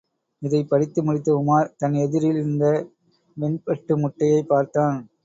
இதைப் படித்து முடித்த உமார் தன் எதிரில் இருந்த வெண்பட்டு முட்டையை பார்த்தான்.